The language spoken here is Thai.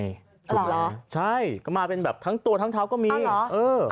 ถูกเหรอใช่ก็มาเป็นแบบทั้งตัวทั้งเท้าก็มีเออ